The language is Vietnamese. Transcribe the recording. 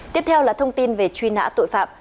tiếp theo là thông tin về truy nã tội phạm